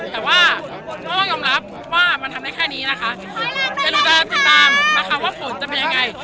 แต่ว่าก็ต้องยอมรับว่ามันทำได้แค่นี้นะคะเดี๋ยวเราจะติดตามนะคะว่าฝนจะเป็นยังไง